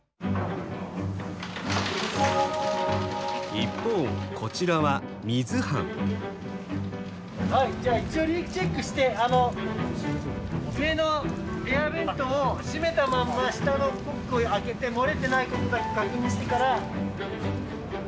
一方こちらははいじゃあ一応リークチェックして上のエアベントを閉めたまんま下のコックを開けて漏れてないことだけ確認してから。